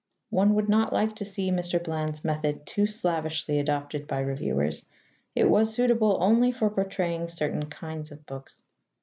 One would not like to see Mr. Bland's method too slavishly adopted by reviewers: it was suitable only for portraying certain kinds of books.